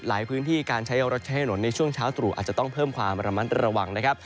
พื้นที่การใช้รถใช้ถนนในช่วงเช้าตรู่อาจจะต้องเพิ่มความระมัดระวังนะครับ